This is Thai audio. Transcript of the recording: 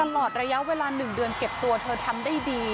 ตลอดระยะเวลา๑เดือนเก็บตัวเธอทำได้ดี